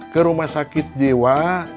ke rumah sakit jewa